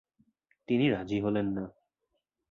তিনি রাজি হলেন না।